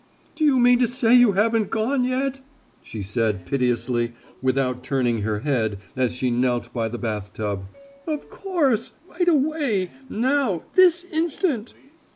"Do you mean to say you haven't gone yet?" she said piteously without turning her head as she knelt by the bathtub, "of course, right away now, this instant."